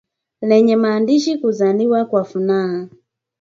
lenye maandishi kuzaliwa kwa furaha